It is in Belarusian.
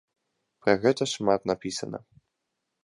Пра гэта шмат напісана.